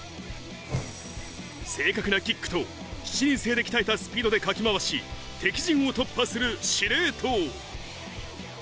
正確なキックと７人制で鍛えたスピードでかき回し、敵陣を突破する司令塔。